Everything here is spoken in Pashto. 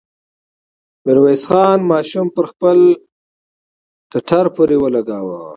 ميرويس خان ماشوم پر خپل ټټر پورې ولګاوه.